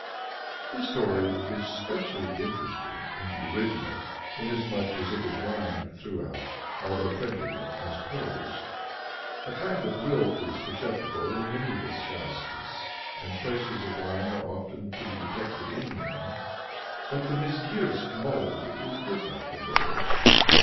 " This story is specially interesting in the original, inasmuch as it is rhymed throughout, although printed as prose. A kind of lilt is perceptible in many of the Skazkas, and traces of rhyme are often to be detected in them, but "The Mizgir's" mould is different from theirs.